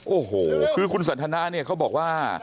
โอ้โหคือคุณสันทนาเนี่ยเขาบอกว่า